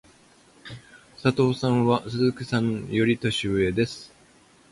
佐藤さんは鈴木さんより年上です。